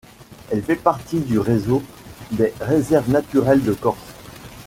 Elle fait partie du réseau des Réserves naturelles de Corse.